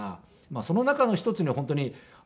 その中の一つに本当に大学